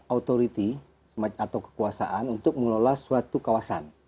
authority atau kekuasaan untuk mengelola suatu kawasan